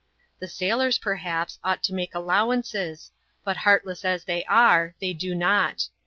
The sailors, perhaps, ought to make allowances ; but heartless as they are, they do not.